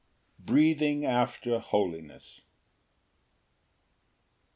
Breathing after holiness.